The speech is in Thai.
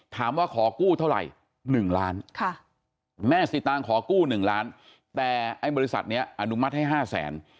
ถามว่าขอกู้เท่าไหร่๑ล้านแม่สิตางขอกู้๑ล้านแต่ไอ้บริษัทนี้อนุมัติให้๕แสน